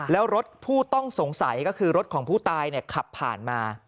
แล้วรถผู้ต้องสงสัยก็คือรถของผู้ตายขับผ่านมา